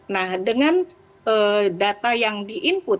nah dengan data yang di input